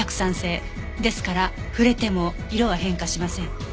ですから触れても色は変化しません。